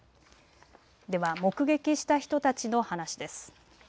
では目撃した人たちの話です。